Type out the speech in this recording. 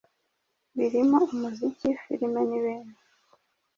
birimo umuziki, filime n’ibindi,